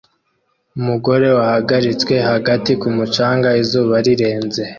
Umugore wahagaritswe hagati ku mucanga izuba rirenze